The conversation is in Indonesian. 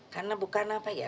karena bukan apa ya